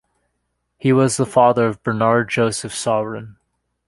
He was the father of Bernard-Joseph Saurin.